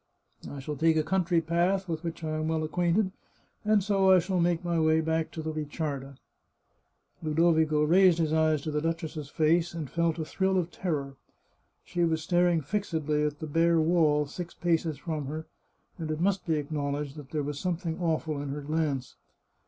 I shall take a country path with which I am well acquainted, and so I shall make my way back to the Ricciarda." Ludovico raised his eyes to the duchess's face, and felt a thrill of terror. She was staring fixedly at the bare wall, six paces from her, and it must be acknowledged that there was something awful in her glance.